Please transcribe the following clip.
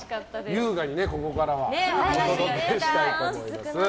優雅に、ここからはお届けしたいと思います。